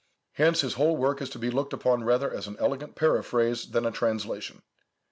Hence his whole work is to be looked upon rather as an elegant paraphrase than a translation.